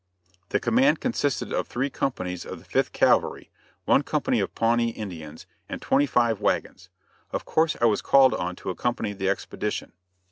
The command consisted of three companies of the Fifth Cavalry, one company of Pawnee Indians, and twenty five wagons. Of course I was called on to accompany the expedition.